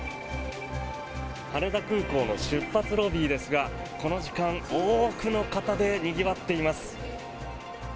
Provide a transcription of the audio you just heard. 羽田空港の出発ロビーですがこの時間、多くの方でにぎわっています。